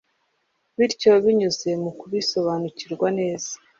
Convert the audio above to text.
bityo binyuze mu kubisobanukirwa neza,